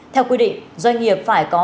theo quy định doanh nghiệp phải có